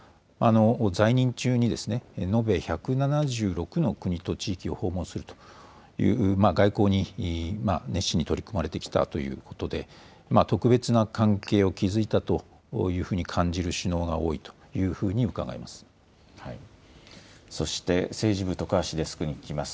在任中に延べ１７６の国と地域を訪問するという、外交に熱心に取り組まれてきたということで、特別な関係を築いたというふうに感じる首脳が多いというふうにうそして政治部、徳橋デスクに聞きます。